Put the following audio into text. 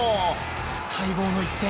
待望の１点。